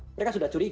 mereka sudah curiga